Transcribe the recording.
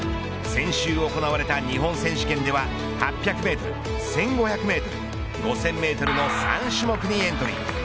先週行われた日本選手権では８００メートル１５００メートル５０００メートルの３種目にエントリー。